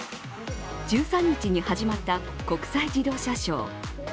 １３日に始まった国際自動車ショー。